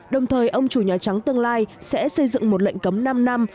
đồng thời ông chủ nhà trắng tương lai sẽ xây dựng một lệnh cấm năm năm